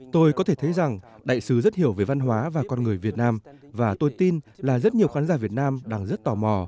tôi có thể thấy rằng đại sứ rất hiểu về văn hóa và con người việt nam và tôi tin là rất nhiều khán giả việt nam đang rất tò mò